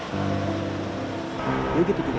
ketiga untuk melindungi keluarga di rumah